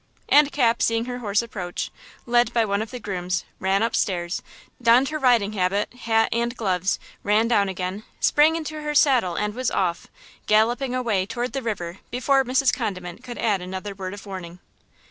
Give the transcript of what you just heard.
And Cap, seeing her horse approach, led by one of the grooms, ran up stairs, donned her riding habit, hat and gloves, ran down again, sprang into her saddle and was off, galloping away toward the river before Mrs. Condiment could add another word of warning.